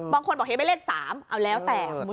บางคนบอกเห็นเป็นเลขสามเอาแล้วแต่